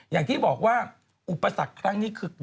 อย่างที่บอกว่าอุปสรรคครั้งนี้คือ